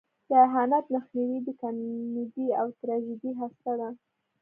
د اهانت مخنیوی د کمیډۍ او تراژیدۍ هسته ده.